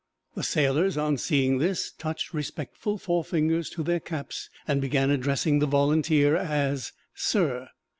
The sailors, on seeing this, touched respectful forefingers to their caps and began addressing the Volunteer as "Sir."